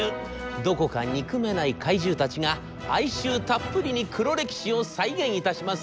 どこか憎めない怪獣たちが哀愁たっぷりに黒歴史を再現いたします。